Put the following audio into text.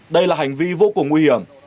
đây là hành vi vô cùng nguy hiểm